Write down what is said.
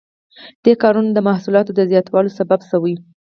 دې کارونو د محصولاتو د زیاتوالي سبب شو.